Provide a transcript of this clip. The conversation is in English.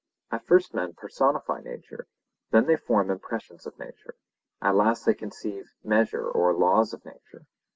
At first men personify nature, then they form impressions of nature, at last they conceive 'measure' or laws of nature.